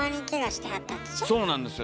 そうなんですよ。